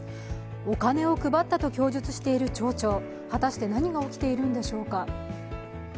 お金を配ったと供述している町長、果たして何が起きているんでしょうか。